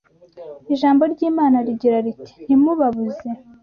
Ijambo ry’Imana rigira riti: “Ntimubabuze